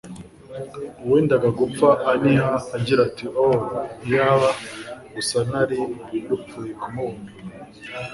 Uwendaga gupfa aniha agira ati: « Oh! Iyaba gusa nari rupfuye kumubona !»